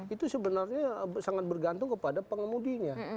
itu sebenarnya sangat bergantung kepada pengemudinya